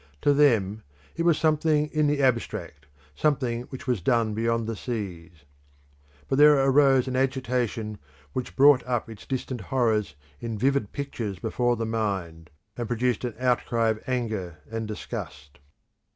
To them it was something in the abstract, something which was done beyond the seas. But there rose an agitation which brought up its distant horrors in vivid pictures before the mind, and produced an outcry of anger and disgust.